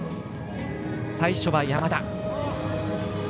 最初は山田。